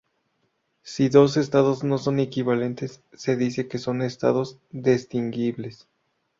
Si dos estados no son equivalentes, se dice que son estados distinguibles.